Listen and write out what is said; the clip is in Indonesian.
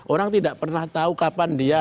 orang tidak pernah tahu kapan dia